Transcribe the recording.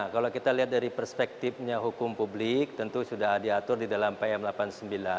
kalau kita lihat dari perspektifnya hukum publik tentu sudah diatur di dalam pm delapan puluh sembilan